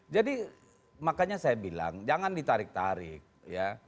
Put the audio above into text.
jadi makanya saya bilang jangan ditarik tarik ya